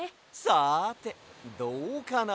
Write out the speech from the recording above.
さてどうかな。